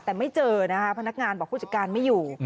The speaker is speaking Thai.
แต่ไม่เจอนะคะพนักงานบอกผู้จัดการไม่อยู่